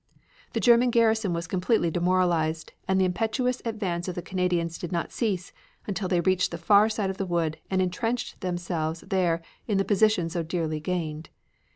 The German garrison was completely demoralized, and the impetuous advance of the Canadians did not cease until they reached the far side of the wood and intrenched themselves there in the position so dearly gained.